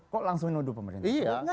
kok langsung menuduh pemerintah